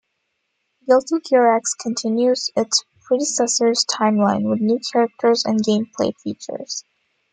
"Guilty Gear X" continues its predecessor's timeline with new characters and gameplay features.